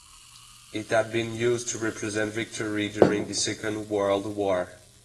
It had been used to represent victory during the Second World War.